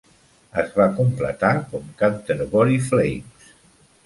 Es va completar com "Canterbury Flames".